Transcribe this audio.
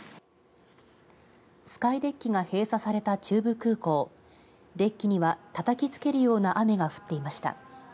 スカイデッキが閉鎖された中部空港デッキにはたたきつけるような雨が降っていました。